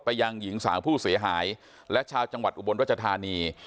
ยังหญิงสาวผู้เสียหายและชาวจังหวัดอุบลรัชธานี